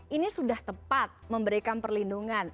ini sudah tepat memberikan perlindungan